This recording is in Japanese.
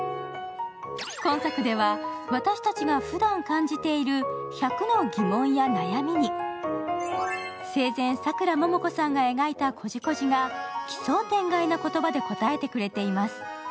今作では私たちがふだん感じている１００の疑問や悩みに、生前さくらももこさんが描いたコジコジが奇想天外な言葉で答えてくれています。